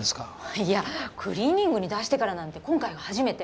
いやクリーニングに出してからなんて今回が初めて。